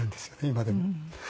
今でも。